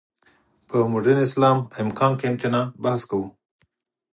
پر «مډرن اسلام، امکان که امتناع؟» بحث کوو.